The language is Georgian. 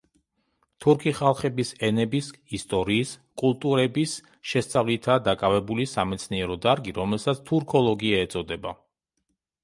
თურქი ხალხების ენების, ისტორიის, კულტურების შესწავლითაა დაკავებული სამეცნიერო დარგი, რომელსაც თურქოლოგია ეწოდება.